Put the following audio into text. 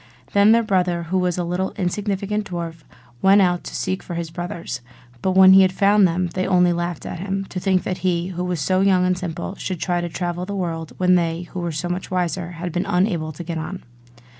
Then their brother, who was a little insignificant dwarf, went out to seek for his brothers: but when he had found them they only laughed at him, to think that he, who was so young and simple, should try to travel through the world, when they, who were so much wiser, had been unable to get on.